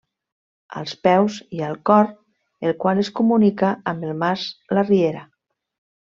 Als peus hi ha el cor, el qual es comunica amb el mas La Riera.